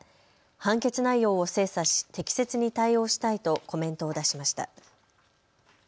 判決内容を精査し適切に対応したいとコメントを出しました。